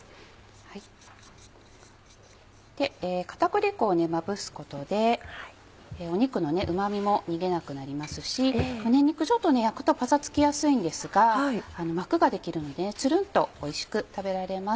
片栗粉をまぶすことで肉のうま味も逃げなくなりますし胸肉ちょっとね焼くとパサつきやすいんですが膜ができるのでツルンとおいしく食べられます。